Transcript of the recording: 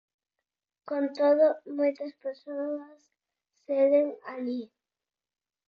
Con todo, moitas persoas seguen alí.